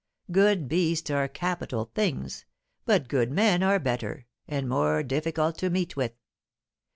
Good beasts are capital things, but good men are better, and more difficult to meet with.